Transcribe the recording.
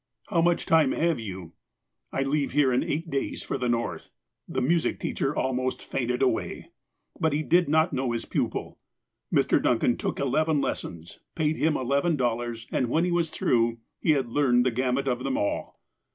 '' How much time have you"? "" I leave here in eight days for the North." The music teacher almost fainted away. But he did not know his i^upil. Mr. Duncan took eleven lessons, paid him $11. 00, and, when he was through, he had learned the gamut of them all.